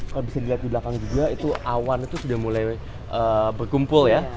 kalau bisa dilihat di belakang juga itu awan itu sudah mulai berkumpul ya